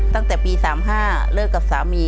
ตั้งแต่ปี๓๕เลิกกับสามี